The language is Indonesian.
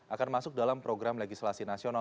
akan masuk dalam program legislasi nasional